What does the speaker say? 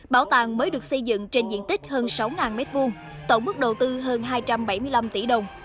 bảo tàng mới được xây dựng trên diện tích hơn sáu m hai tổng mức đầu tư hơn hai trăm bảy mươi năm tỷ đồng